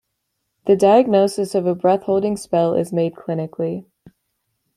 The diagnosis of a breath-holding spell is made clinically.